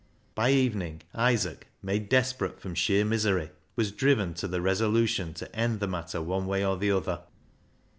By evening, Isaac, made desperate from sheer misery, was driven to the resolution to end the matter one way or the other.